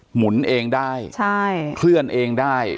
หมุนเองได้เคลื่อนเองได้